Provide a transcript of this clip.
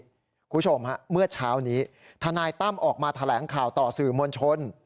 คุณผู้ชมฮะเมื่อเช้านี้ทนายตั้มออกมาแถลงข่าวต่อสื่อมวลชน